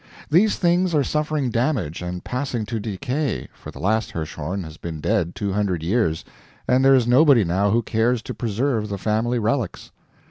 These things are suffering damage and passing to decay, for the last Hirschhorn has been dead two hundred years, and there is nobody now who cares to preserve the family relics.